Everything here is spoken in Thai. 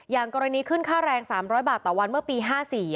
อย่างกรณีขึ้นค่าแรง๓๐๐บาทต่อวันเมื่อปี๕๔